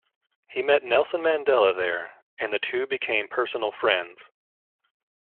He met Nelson Mandela there, and the two became personal friends.